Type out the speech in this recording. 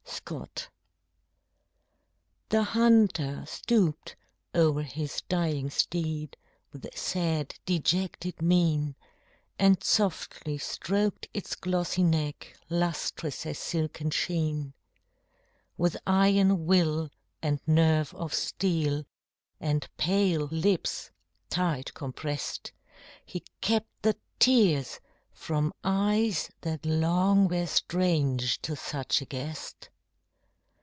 Scott The Hunter stooped o'er his dying steed With sad dejected mien, And softly stroked its glossy neck, Lustrous as silken sheen; With iron will and nerve of steel, And pale lips tight compressed, He kept the tears from eyes that long Were strange to such a guest.